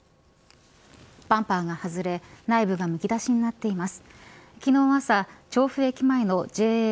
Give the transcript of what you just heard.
バンパーが外れ内部がむき出しになっています。